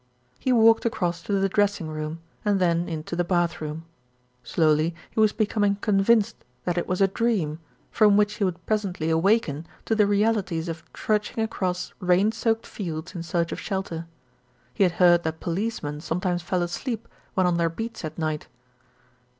He walked across to the dressing room, and then into the bath room. Slowly he was becoming convinced that it was a dream, from which he would presently awaken to the realities of trudging across rain soaked fields in search of shelter. He had heard that policemen some times fell asleep when on their beats at night.